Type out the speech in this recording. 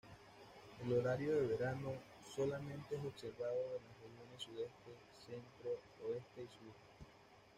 El horario de verano solamente es observado en las regiones Sudeste, Centro-Oeste y Sur.